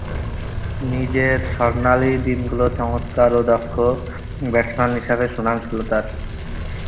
নিজের স্বর্ণালী দিনগুলোয় চমৎকার ও দক্ষ ব্যাটসম্যান হিসেবে সুনাম ছিল তার।